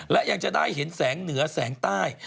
และยังจะได้เห็นแสงเหนือแสงใต้